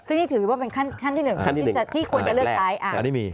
ที่นี่ถือว่าเป็นขั้นที่นึงที่ควรเรียกใช้